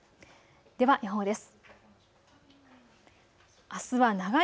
では予報です。